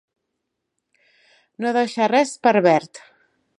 No deixar res per verd.